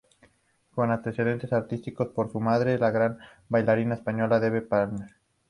Con antecedentes artísticos por su madre, la gran bailarina española Bebe Palmer.